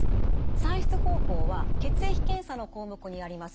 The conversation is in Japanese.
算出方法は血液検査の項目にあります